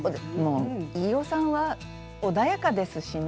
飯尾さんは穏やかですしね。